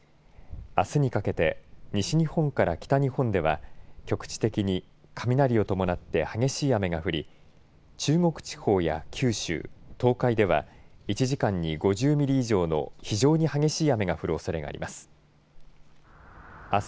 あすにかけて西日本から北日本では局地的に雷を伴って激しい雨が降り中国地方や九州東海では１時間に５０ミリ以上の非常に激しい雨が降るおそれがあります。